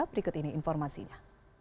berikut ini informasinya